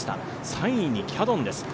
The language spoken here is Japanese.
３位にキヤノンです。